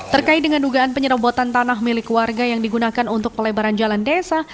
terkait dengan dugaan penyerobotan tanah milik warga yang digunakan untuk pelebaran jalan desa